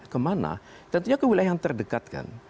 kemana tentunya ke wilayah yang terdekat kan